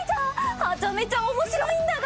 はちゃめちゃ面白いんだが。